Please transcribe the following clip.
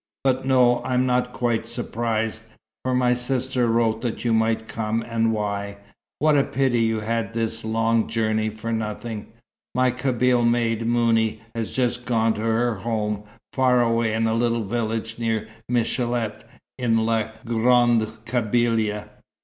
But no, I am not quite surprised, for my sister wrote that you might come, and why. What a pity you had this long journey for nothing. My Kabyle maid, Mouni, has just gone to her home, far away in a little village near Michélet, in la Grande Kabylia.